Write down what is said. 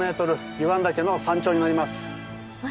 湯湾岳の山頂になります。